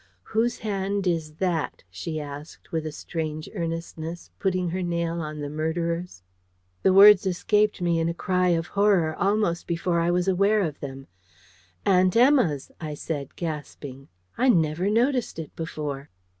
"Whose hand is THAT?" she asked with a strange earnestness, putting her nail on the murderer's. The words escaped me in a cry of horror almost before I was aware of them: "Aunt Emma's!" I said, gasping. "I NEVER noticed it before."